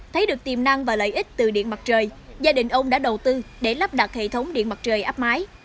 thấy được tiềm năng và lợi ích từ điện mặt trời gia đình ông đã đầu tư để lắp đặt hệ thống điện mặt trời áp mái